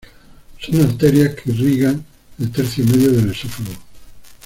Son arterias que irrigan el tercio medio del esófago.